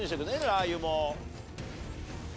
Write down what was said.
ラー油も。